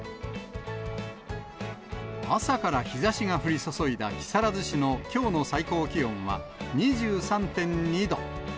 朝から日ざしが降り注いだ木更津市のきょうの最高気温は２３．２度。